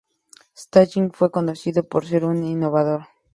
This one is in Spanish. Stalling fue conocido por ser un innovador.